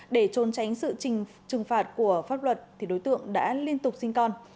để trốn tránh sự trừng phạt của pháp luật thì đối tượng đã liên tục sinh con